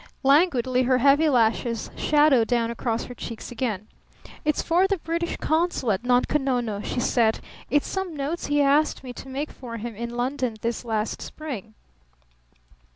Languidly her heavy lashes shadowed down across her cheeks again. "It's for the British consul at Nunko Nono," she said. "It's some notes he asked me to make for him in London this last spring."